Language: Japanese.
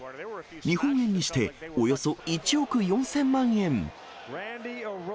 日本円にしておよそ１億４０００万円。